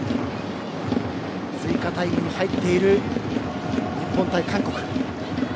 追加タイムに入っている日本対韓国。